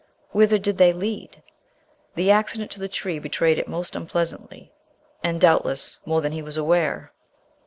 Whither did they lead? The accident to the tree betrayed it most unpleasantly, and, doubtless, more than he was aware.